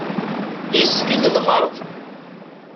Yezgel lɣerḍ.